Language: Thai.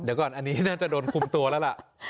เดี๋ยวก่อนอันนี้น่าจะโดนคุมตัวแล้วล่ะ